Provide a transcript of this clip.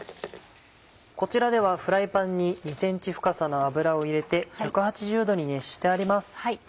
こちらではフライパンに２ｃｍ深さの油を入れて１８０℃に熱してあります。